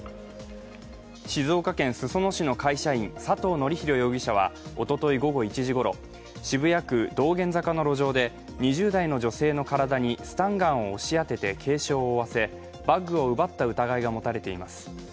静岡県裾野市の会社員佐藤紀裕容疑者はおととい午後１時ごろ、渋谷区道玄坂の路上で２０代の女性のからだにスタンガンを押し当てて軽傷を負わせバッグを奪った疑いが持たれています。